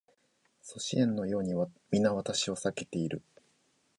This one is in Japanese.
阻止円のように皆私を避けている